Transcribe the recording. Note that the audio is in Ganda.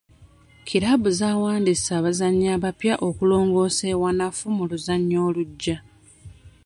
Kiraabu zawandiise abazannyi abapya okulongoosa ewanafu mu luzannya olujja.